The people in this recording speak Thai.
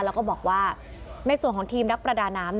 แล้วก็บอกว่าในส่วนของทีมนักประดาน้ำ